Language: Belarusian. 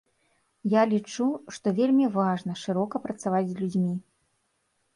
Я лічу, што вельмі важна шырока працаваць з людзьмі.